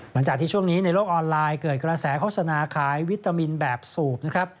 หลังจากที่ช่วงนี้ในโลกออนไลน์เกิดกระแสโฆษณาขายวิตามินแบบสูบนะครับ